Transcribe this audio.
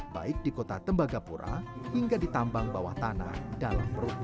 baik di kota tembagapura hingga di tambang bawah tanah dalam perut